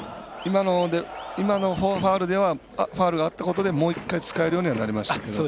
今のファウルがあったことでもう１回、使えるようにはなりましたけど。